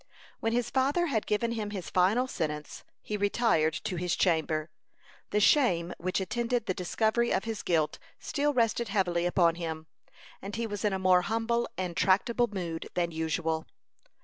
When his father had given him his final sentence, he retired to his chamber. The shame which attended the discovery of his guilt still rested heavily upon him, and he was in a more humble and tractable mood than usual.